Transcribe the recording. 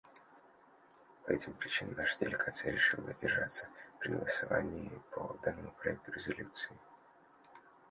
По этим причинам наша делегация решила воздержаться при голосовании по данному проекту резолюции.